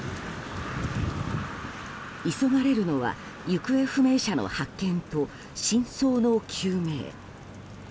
急がれるのは行方不明者の発見と真相の究明。